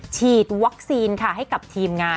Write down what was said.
ฉีดวัคซีนค่ะให้กับทีมงาน